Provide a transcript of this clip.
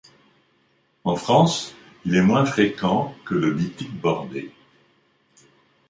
En France, il est moins fréquent que le dytique bordé.